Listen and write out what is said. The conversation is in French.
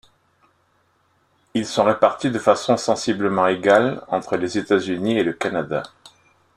Ils sont répartis de façon sensiblement égale entre les États-Unis et le Canada.